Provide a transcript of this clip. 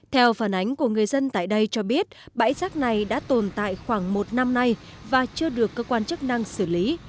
theo phản ánh của người dân tại đây cho biết bãi rác này đã tồn tại khoảng một năm nay và chưa được cơ quan chức năng xử lý